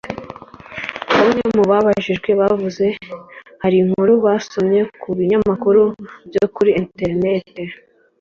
Bamwe mu babajijwe bavuze hari inkuru baba basomye ku binyamakuru byo kuri internet